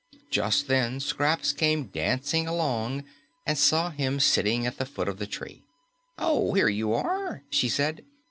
Just then, Scraps came dancing along and saw him sitting at the foot of the tree. "Oh, here you are!" she said.